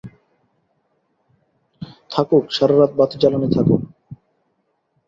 থাকুক, সারা রাত বাতি জ্বালানো থাকুক।